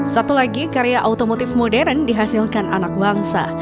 satu lagi karya otomotif modern dihasilkan anak bangsa